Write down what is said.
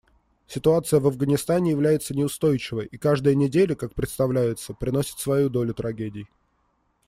Ситуация в Афганистане является неустойчивой, и каждая неделя, как представляется, приносит свою долю трагедий.